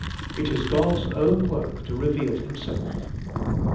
It is God's own work to reveal Himself.